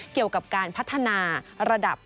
เกี่ยวกับการพัฒนาระดับ